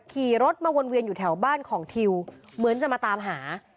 ขี่รถมาวนเวียนอยู่แถวบ้านของทิวเหมือนจะมาตามหา